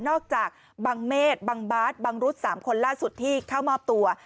จากบังเมษบังบาสบังรุษ๓คนล่าสุดที่เข้ามอบตัว